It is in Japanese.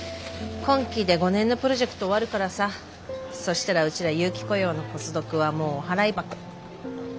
今期で５年のプロジェクト終わるからさそしたらうちら有期雇用のポスドクはもうお払い箱。